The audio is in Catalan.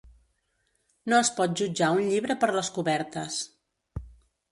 No es pot jutjar un llibre per les cobertes.